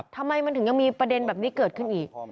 ทำไมมันถึงยังมีประเด็นแบบนี้เกิดขึ้นอีก